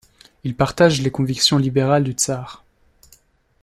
Il partage les convictions libérales du Tsar.